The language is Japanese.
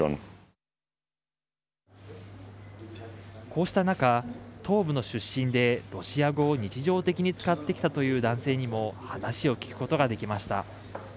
こうした中、東部の出身でロシア語を日常的に使ってきたという男性にも話を聞くことができました。